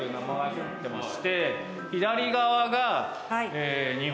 左側が。